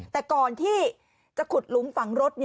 แต่ก่อนที่จะขุดหลุมฝังรถ